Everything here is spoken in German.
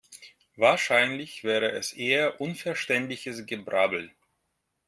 Wahrscheinlich wäre es eher unverständliches Gebrabbel.